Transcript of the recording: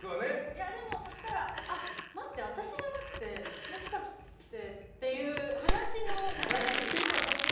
でもそしたら待って、私じゃなくてもしかしてっていう話の流れに持っていける。